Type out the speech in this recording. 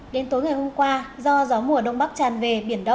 đến tối ngày hôm qua do gió mùa đông bắc tràn về